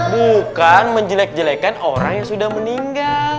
bukan menjelek jelekkan orang yang sudah meninggal